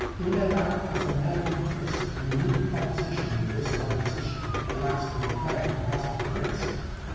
In and out does the melody twist Unique proposition Is this composition. (Alas! for the player who hasn't the wrist!)